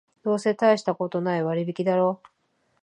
どうせたいしたことない割引だろう